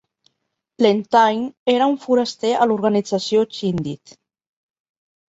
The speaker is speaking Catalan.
Lentaigne era un foraster a l'organització Chindit.